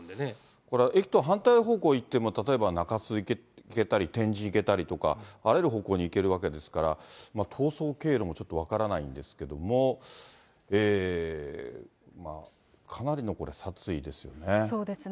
これ、駅と反対方向行っても、例えば中洲行けたり、天神行けたりとか、あらゆる方向に行けるわけですから、逃走経路もちょっと分からないんですけれども、かなりのこれ、殺意ですよね。